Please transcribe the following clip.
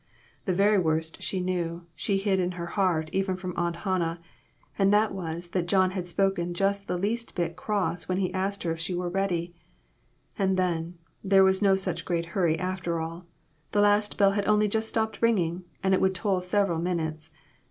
The very worst, she knew, she hid in her heart even from Aunt Hannah, and that was that John had spoken just the least bit cross when he asked her if she was ready. And then, there was no such great hurry, after all ; the last bell had only just stopped ringing, and it would toll several min utes.